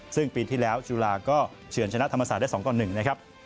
ซึ่งปีที่แล้วจุฬาก็เฉินชนะธรรมศาสตร์ได้๒ต่อ๑นะครับ